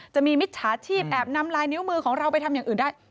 มิจฉาชีพแอบนำลายนิ้วมือของเราไปทำอย่างอื่นได้